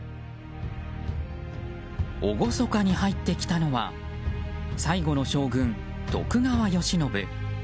厳かに入ってきたのは最後の将軍・徳川慶喜。